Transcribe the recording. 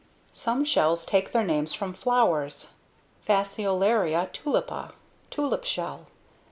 Some shells take their names from flowers: FASCIOLARIA TULIPA, Tulip Shell.